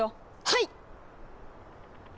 はい！